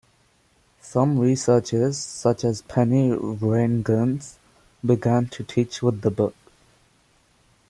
Some researchers, such as Penny Rheinghans began to teach with the book.